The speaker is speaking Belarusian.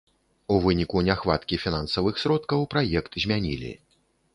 У выніку няхваткі фінансавых сродкаў праект змянілі.